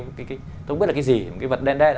tôi không biết là cái gì một cái vật đen đen